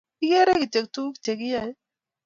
Igeere kityo tuguk chigayei